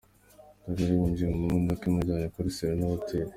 Derulo yinjira mu modoka imujyanye kuri Serena Hotel.